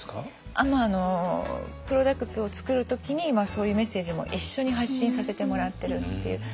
プロダクツを作る時にそういうメッセージも一緒に発信させてもらってるっていう。